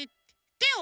てを？